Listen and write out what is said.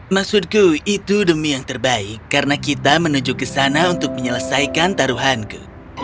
maksudku itu demi yang terbaik karena kita menuju ke sana untuk menyelesaikan taruhanku